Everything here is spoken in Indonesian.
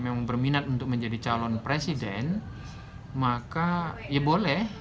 memang berminat untuk menjadi calon presiden maka ya boleh